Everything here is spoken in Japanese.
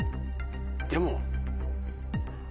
でも。